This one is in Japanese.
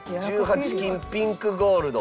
１８金ピンクゴールド。